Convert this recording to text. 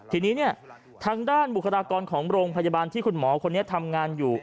ทีนี้เนี่ยทางด้านบุคลากรของโรงพยาบาลที่คุณหมอคนนี้ทำงานอยู่